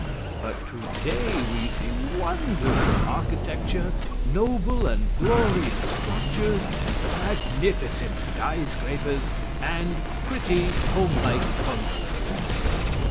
But today we see wonderful architecture, noble and glorious structures, magnificent skyscrapers and pretty home like bungalows."